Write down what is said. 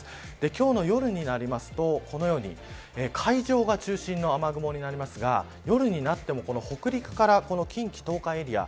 今日の夜になりますとこのように海上が中心の雨雲になりますが夜になっても北陸から近畿、東海エリア